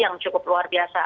yang cukup luar biasa